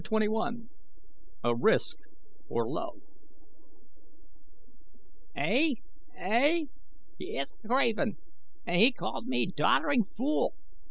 CHAPTER XXI A RISK FOR LOVE "Ey, ey, he is a craven and he called me 'doddering fool'!"